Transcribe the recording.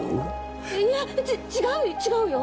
いや違うよ違うよ